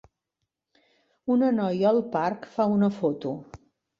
Una noia al parc fa una foto.